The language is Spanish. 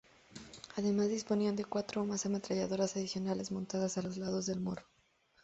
Además, disponían de cuatro o más ametralladoras adicionales montadas a los lados del morro.